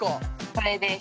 これです。